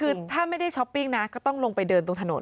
คือถ้าไม่ได้ช้อปปิ้งนะก็ต้องลงไปเดินตรงถนน